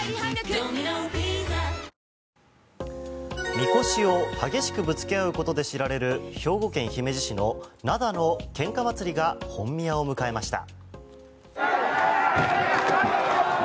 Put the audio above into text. みこしを激しくぶつけ合うことで知られる兵庫県姫路市の灘のけんか祭りが本宮を迎えました。